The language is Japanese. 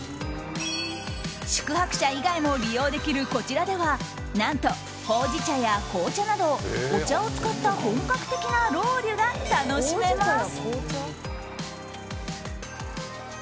宿泊者以外も利用できるこちらでは何と、ほうじ茶や紅茶などお茶を使った本格的なロウリュが楽しめます。